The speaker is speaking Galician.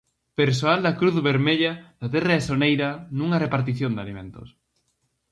Persoal da Cruz Vermella da terra de Soneira nunha repartición de alimentos.